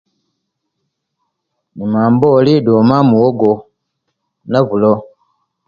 Ndima mbooli duma muwogo na bulo